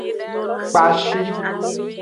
Kpashi.